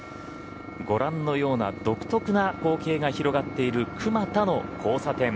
ご覧のような独特な光景が広がっている杭全の交差点。